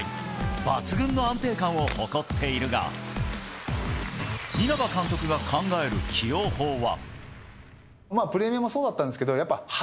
抜群の安定感を誇っているが稲葉監督が考える起用法は。